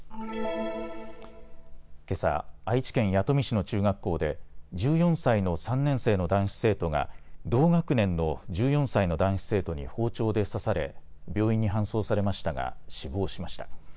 けさ、愛知県弥富市の中学校で１４歳の３年生の男子生徒が同学年の１４歳の男子生徒に包丁で刺され、病院に搬送されましたが死亡しました。